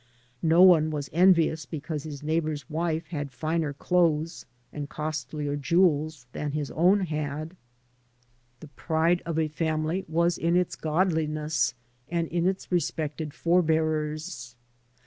No one was envious because his neighbor's wife had finer clothes and costlier jewels than his own had. The 82 ••HOW DO YOU LIKE AMERICA?'* pride of a family was in its godliness and in its respected forebears.